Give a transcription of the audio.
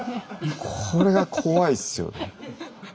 これが怖いっすよね。